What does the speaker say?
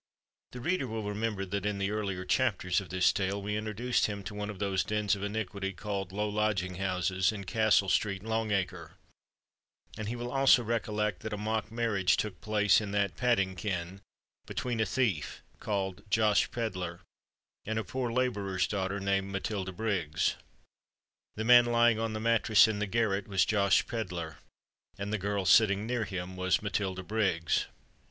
The reader will remember that, in the earlier chapters of this tale, we introduced him to one of those dens of iniquity called low lodging houses, in Castle Street, Long Acre; and he will also recollect that a mock marriage took place in that "padding ken," between a thief, called Josh Pedler, and a poor labourer's daughter, named Matilda Briggs. The man lying on the mattress in the garret, was Josh Pedler; and the girl sitting near him, was Matilda Briggs.